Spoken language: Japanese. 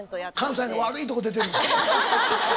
関西の悪いとこ出てる。